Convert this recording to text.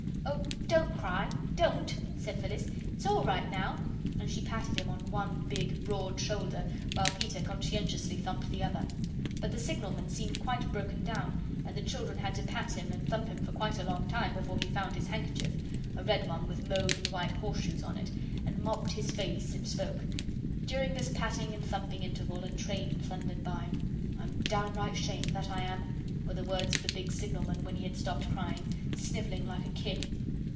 "Oh, don't cry don't," said Phyllis, "it's all right now," and she patted him on one big, broad shoulder, while Peter conscientiously thumped the other. But the signalman seemed quite broken down, and the children had to pat him and thump him for quite a long time before he found his handkerchief a red one with mauve and white horseshoes on it and mopped his face and spoke. During this patting and thumping interval a train thundered by. "I'm downright shamed, that I am," were the words of the big signalman when he had stopped crying; "snivelling like a kid."